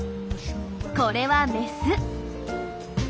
これはメス。